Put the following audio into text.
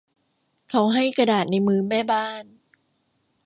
เขาให้กระดาษในมือแม่บ้าน